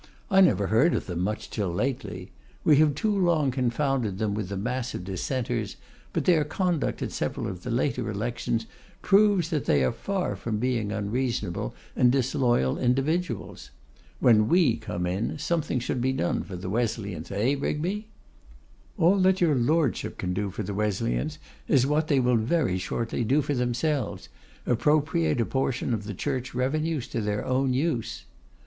I never heard of them much till lately. We have too long confounded them with the mass of Dissenters, but their conduct at several of the later elections proves that they are far from being unreasonable and disloyal individuals. When we come in, something should be done for the Wesleyans, eh, Rigby?' 'All that your Lordship can do for the Wesleyans is what they will very shortly do for themselves, appropriate a portion of the Church Revenues to their own use.